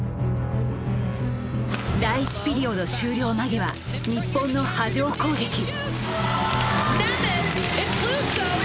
第１ピリオド終了間際日本の波状攻撃。